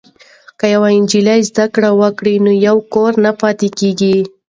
که یوه نجلۍ زده کړه وکړي نو یو کور نه پاتې کیږي.